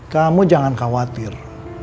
kamu jangan khawatir